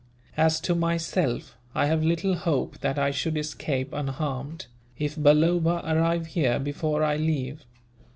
As to myself, I have little hope that I should escape unharmed, if Balloba arrive here before I leave.